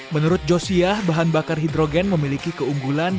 menurut josiah bahan bakar hidrogen memiliki keunggulan